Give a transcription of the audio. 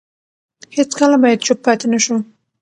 هیڅکله باید چوپ پاتې نه شو.